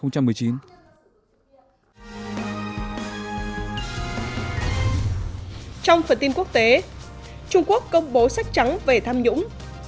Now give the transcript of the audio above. trong phần tin quốc tế trung quốc công bố sách trắng về tham nhũng